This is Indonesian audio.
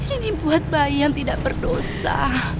ini buat bayi yang tidak berdosa